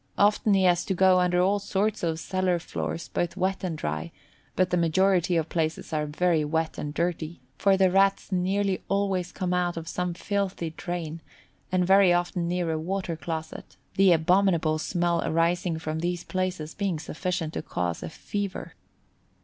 Often he has to go under all sorts of cellar floors, both wet and dry, but the majority of places are very wet and dirty, for the Rats nearly always come out of some filthy drain, and very often near a water closet, the abominable smell arising from these places being sufficient to cause a fever.